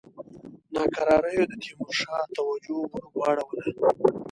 ناکراریو د تیمورشاه توجه ور واړوله.